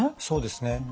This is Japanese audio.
そうですね。